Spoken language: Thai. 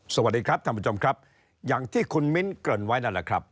สวัสดีครับท่านผู้ชมครับอย่างที่คุณมิ้นเกริ่นไว้นั่นแหละครับ